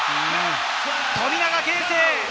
富永啓生。